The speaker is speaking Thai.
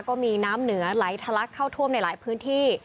ก็มีน้ำเหนือไหลทะลักเข้าท่วมในหลายพื้นที่